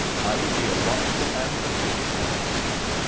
I will be a watchful and a faithful one.'